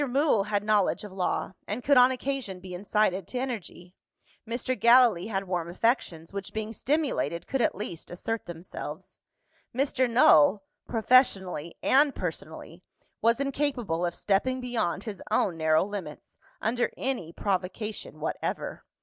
Mool had knowledge of law, and could on occasion be incited to energy. Mr. Gallilee had warm affections, which, being stimulated, could at least assert themselves. Mr. Null, professionally and personally, was incapable of stepping beyond his own narrow limits, under any provocation whatever.